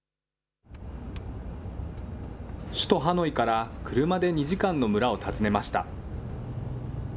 首都ハノイから車で２時間の村を訪ねました。